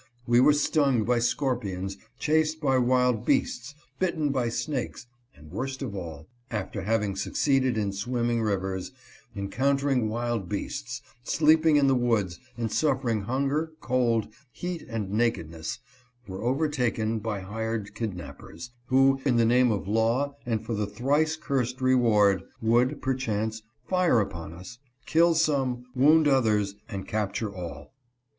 We were stung by scorpions, chased by wild beasts, bitten by snakes, and, worst of all, after having succeeded in swimming rivers, encountering wild beasts, sleeping in the woods, and suffering hunger, cold, heat and nakedness, were overtaken by hired kidnappers, who, in the name of law and for the thrice cursed reward, would, perchance, fire upon us, kill some, wound others and capture all.